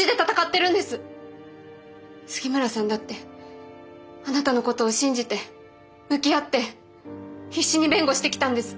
杉村さんだってあなたのことを信じて向き合って必死に弁護してきたんです。